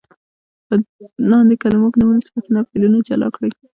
په لاندې کلمو کې نومونه، صفتونه او فعلونه جلا کړئ.